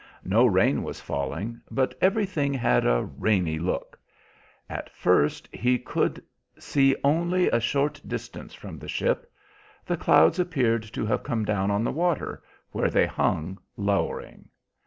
No rain was falling, but everything had a rainy look. At first he could see only a short distance from the ship. The clouds appeared to have come down on the water, where they hung, lowering.